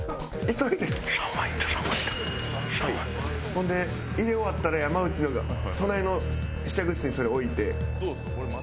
ほんで入れ終わったら山内の隣の試着室にそれ置いて。